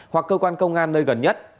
hoặc cơ quan công an nơi gần nhất